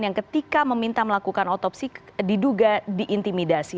yang ketika meminta melakukan otopsi diduga diintimidasi